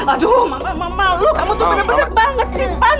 aduh mama malu kamu tuh bener bener banget simpan